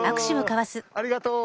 ありがとう。